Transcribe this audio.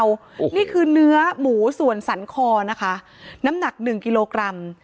โอ้โหนี่คือเนื้อหมูส่วนสันคอนะคะน้ำหนักหนึ่งกิโลกรัม